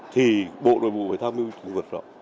thì bộ đội vụ phải tham mưu trung vật đó